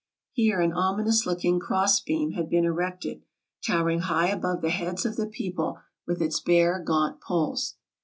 Here an ominous looking cross beam had been erected, towering high above the heads of the people with its bare, gaunt poles.